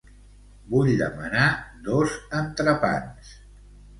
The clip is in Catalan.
Vull demanar dos entrepans.